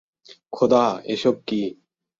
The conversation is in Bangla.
খোদা, এসব কী?